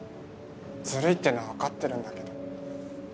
ずるいっていうのは分かってるんだけど。